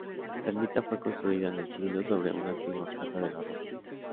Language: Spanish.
La ermita fue construida en el siglo sobre una antigua casa de los Rojas.